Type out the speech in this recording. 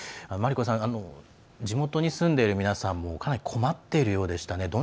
真理子さん、地元に住んでいる皆さんもかなり困っているようでしたね。